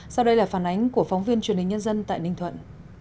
sau đây là phản ánh của phóng viên truyền hình nhân dân tại ninh thuận